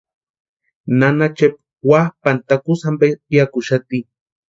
Nana Chepa wapʼani takusï ampe piakuxati.